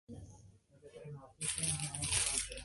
Trabaja en un show llamado "Does This Show Make Me Look Fat?